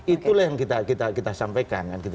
itulah yang kita sampaikan